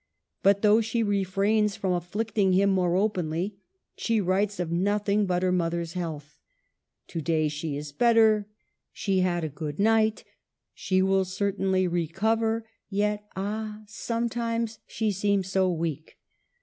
But though she refrains from afflicting him more openly, she writes of nothing but her mother's health. To day she is better, she had a good night, she will certainly recover ; yet, ah ! sometimes she seems so weak